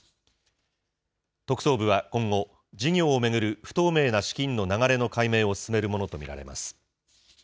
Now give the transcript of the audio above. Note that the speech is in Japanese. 特捜部は今後、事業を巡る不透明な資金の流れの解明を進めるものと見られます。